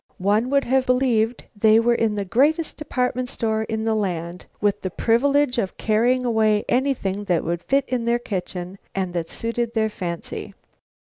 One would have believed they were in the greatest department store in the land, with the privilege of carrying away anything that would fit in their kitchen and that suited their fancy.